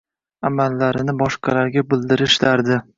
Amallarini boshqalarga bildirish dardi.